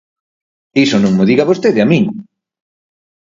Iso non mo diga vostede a min.